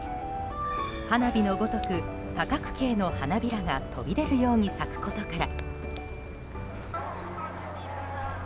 花火のごとく多角形の花びらが飛び出るように咲くことから。